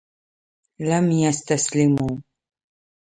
لم يستسلموا